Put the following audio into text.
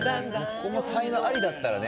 ここ才能アリだったらね。